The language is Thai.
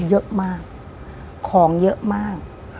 เยอะมากของเยอะมาก